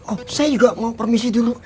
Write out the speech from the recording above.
oh saya juga mau permisi dulu